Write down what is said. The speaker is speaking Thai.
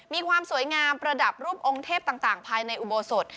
มีความสวยงามประดับรูปองค์เทพต่างภายในอุโบสถ